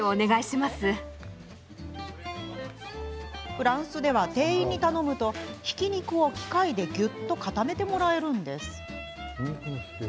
フランスでは、店員に頼むとひき肉を機械でぎゅっと固めてもらえるんです。